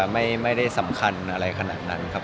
ไม่ได้สำคัญอะไรขนาดนั้นครับ